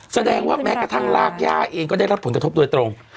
แสดงว่าแม้กระทั่งรากย่าเองก็ได้รับผลกระทบโดยตรง